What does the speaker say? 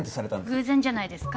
偶然じゃないですか？